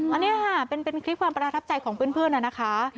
อันนี้ค่ะเป็นคลิปความประทับใจของเพื่อนนะคะ